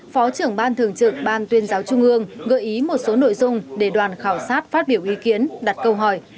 phó trưởng ban thường trực ban tuyên giáo trung ương gợi ý một số nội dung để đoàn khảo sát phát biểu ý kiến đặt câu hỏi